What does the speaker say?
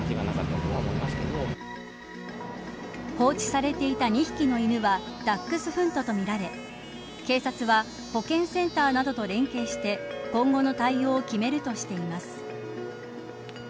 放置されていた２匹の犬はダックスフントとみられ警察は保健センターなどと連携して今後の対応を決めるといいます。